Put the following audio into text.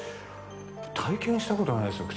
体験したことないですよ。